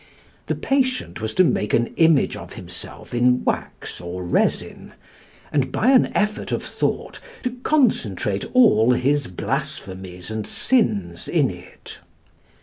The patient was to make an image of himself in wax or resin, and by an effort of thought to concentrate all his blasphemies and sins in it.